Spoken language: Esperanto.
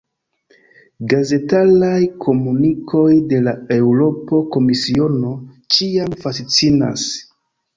Gazetaraj komunikoj de la Eŭropa Komisiono ĉiam fascinas.